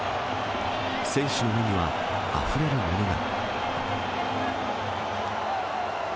選手の目にはあふれるものが。